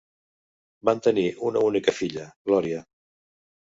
Van tenir una única filla, Gloria.